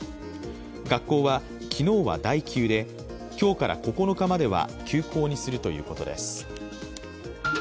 学校は昨日は代休で、今日から９日までは休校にするということです。